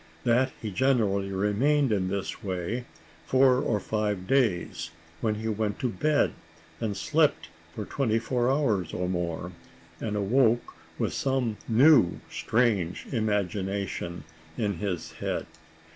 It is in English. That he generally remained in this way four or five days, when he went to bed, and slept for twenty four hours, or more, and awoke with some new strange imagination in his head.